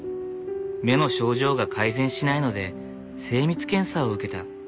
目の症状が改善しないので精密検査を受けた。